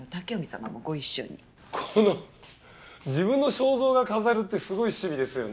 この自分の肖像画飾るってすごい趣味ですよね。